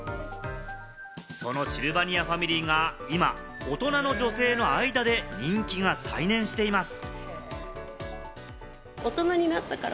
そのシルバニアファミリーが今、大人の女性の間で人気が再燃しています。